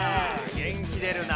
元気出るな。